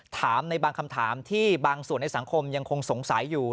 ถามในบางคำถามที่บางส่วนในสังคมยังคงสงสัยอยู่